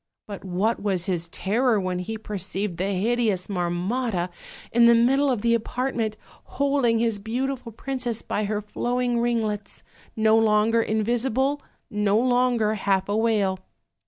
But what was his terror when he perceived the hideous Marmotta, in the middle of the apartment, holding his beautiful princess by her flowing ringlets: no longer in visible, no longer half a whale.